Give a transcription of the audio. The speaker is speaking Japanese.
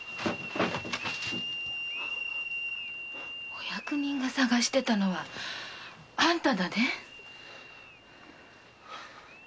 ・お役人が捜してたのはあんただね？